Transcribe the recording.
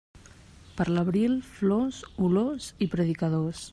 Per l'abril, flors, olors i predicadors.